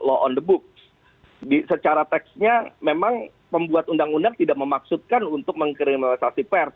law on the books secara teksnya memang pembuat undang undang tidak memaksudkan untuk mengkriminalisasi pers